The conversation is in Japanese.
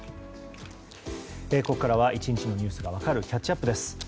ここからは１日のニュースが分かるキャッチアップ。